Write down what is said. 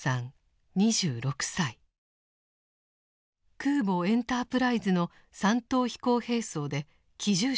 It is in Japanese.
空母「エンタープライズ」の三等飛行兵曹で機銃手でした。